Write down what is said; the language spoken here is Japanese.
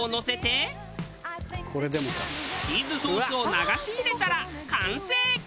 チーズソースを流し入れたら完成。